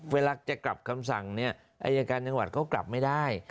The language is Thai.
เวลาจะกลับคำสั่งเนี่ยอายการจังหวัดเขากลับไม่ได้